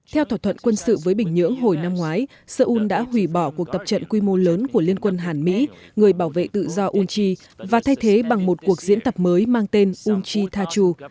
theo thỏa thuận quân sự với bình nhưỡng hồi năm ngoái seoul đã hủy bỏ cuộc tập trận quy mô lớn của liên quân hàn mỹ người bảo vệ tự do unchi và thay thế bằng một cuộc diễn tập mới mang tên unchi tachu